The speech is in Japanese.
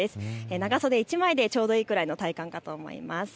長袖１枚でちょうどいいくらいの体感かと思います。